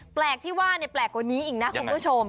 แปลกที่ว่าแปลกกว่านี้อีกนะคุณผู้ชม